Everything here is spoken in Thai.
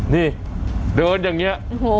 นี่เดินอย่างนี้